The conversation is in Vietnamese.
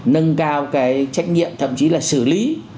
nâng cao cái trách nhiệm thậm chí là xử lý